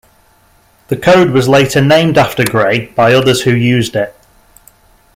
The code was later named after Gray by others who used it.